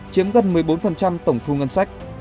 chiếm gần một mươi bốn tổng thu ngân sách